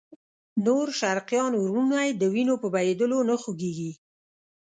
نور شرقیان وروڼه یې د وینو په بهېدلو نه خوږېږي.